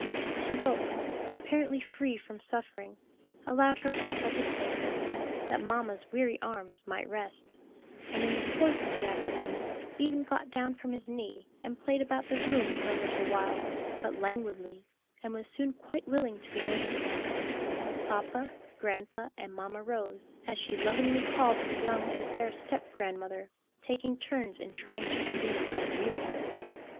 She woke, apparently free from suffering, allowed her papa to take her, that mamma's weary arms might rest, and in the course of the afternoon even got down from his knee, and played about the room for a little while, but languidly, and was soon quite willing to be nursed again, "papa, grandpa, and Mamma Rose," as she lovingly called her young and fair step grandmother, taking turns in trying to relieve and amuse her.